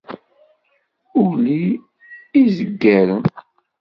Ulli, izgaren.